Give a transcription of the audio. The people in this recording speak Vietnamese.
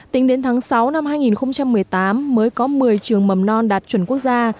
tính đến tháng sáu năm hai nghìn một mươi tám mới có một mươi trường mầm non đạt chuẩn quốc gia